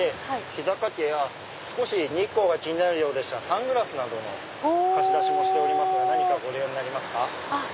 膝掛けや日光が気になるようでしたらサングラスも貸し出してますが何かご利用になりますか？